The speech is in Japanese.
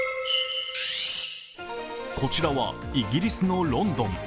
こちらは、イギリスのロンドン。